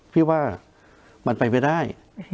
พี่ว่ามันไปไม่ได้